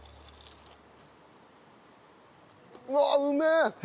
うわっうめえ！